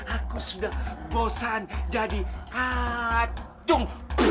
aku sudah bosan jadi kacung